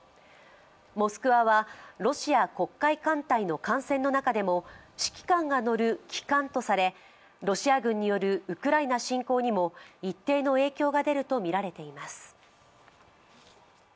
「モスクワ」はロシア「黒海艦隊」の艦船の中でも指揮官が乗る旗艦とされロシア軍によるウクライナ侵攻にも一定の影響が出るとみられています。